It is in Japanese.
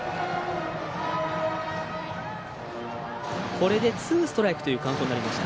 これでツーストライクというカウントになりました。